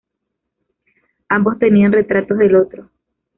Ambos tenían retratos del otro.